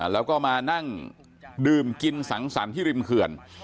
แล้วก็มานั่งดื่มกินสังสรรค์ที่ริมเขื่อน